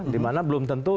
dimana belum tentu